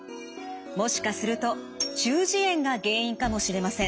もしかすると中耳炎が原因かもしれません。